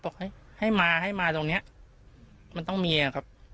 บอกให้ให้มาให้มาตรงเนี้ยมันต้องมีครับ